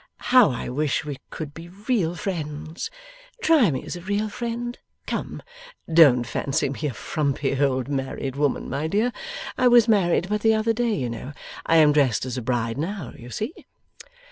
How I wish we could be real friends! Try me as a real friend. Come! Don't fancy me a frumpy old married woman, my dear; I was married but the other day, you know; I am dressed as a bride now, you see.